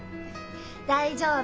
大丈夫。